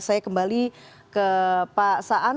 saya kembali ke pak saan